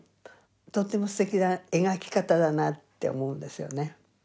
とてもすてきな描き方だなって思うんですよね。